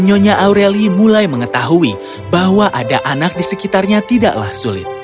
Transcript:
nyonya aureli mulai mengetahui bahwa ada anak di sekitarnya tidaklah sulit